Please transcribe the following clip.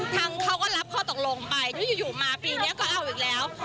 ทางเขาก็รับข้อตกลงไปที่อยู่มาปีนี้ก็เอาอีกแล้ว